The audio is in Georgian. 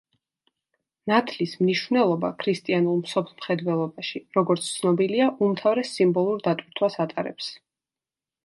ნათლის მნიშვნელობა ქრისტიანულ მსოფლმხედველობაში, როგორც ცნობილია, უმთავრეს სიმბოლურ დატვირთვას ატარებს.